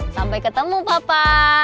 sampai ketemu papa